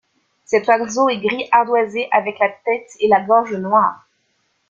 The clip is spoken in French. Cet oiseau est gris ardoisé avec la tête et la gorge noire.